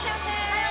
はい！